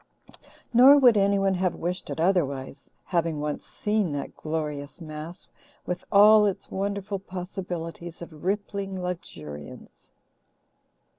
Nor would anyone have wished it otherwise, having once seen that glorious mass, with all its wonderful possibilities of rippling luxuriance.